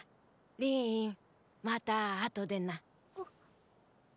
リーンまた後でな。